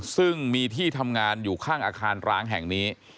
ซึ่งมีที่ทำงานอยู่ข้างอาคารร้างแห่งนี้